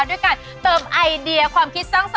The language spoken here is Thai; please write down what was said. ด้วยการเติบไอเดียความคิดสั้น